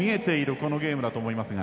このゲームだと思いますが。